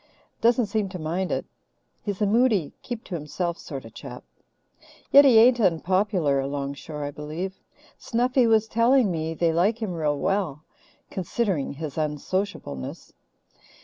Doesn't seem to mind it. He's a moody, keep to himself sort of chap. Yet he ain't unpopular along shore, I believe. Snuffy was telling me they like him real well, considering his unsociableness.